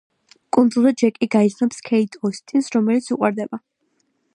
კუნძულზე ჯეკი გაიცნობს ქეით ოსტინს, რომელიც უყვარდება.